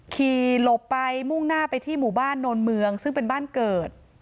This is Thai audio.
หลบไปมุ่งหน้าไปที่หมู่บ้านโนนเมืองซึ่งเป็นบ้านเกิด